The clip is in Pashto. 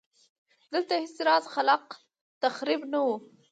دلته هېڅ راز خلاق تخریب نه و